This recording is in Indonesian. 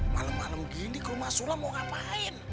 malem malem gini ke rumah sulam mau ngapain